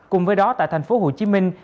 cùng với đó tại thành phố hồ chí minh